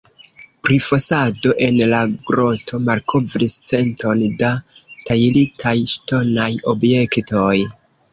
Prifosado en la groto malkovris centon da tajlitaj ŝtonaj objektoj.